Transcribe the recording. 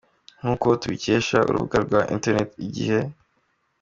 Nk'uko tubikesha urubuga rwa internet Igihe.